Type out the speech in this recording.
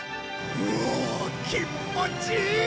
うお気持ちいい！